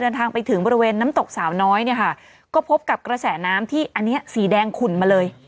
เดินทางไปถึงบริเวณน้ำตกสาวน้อยเนี่ยค่ะก็พบกับกระแสน้ำที่อันนี้สีแดงขุ่นมาเลย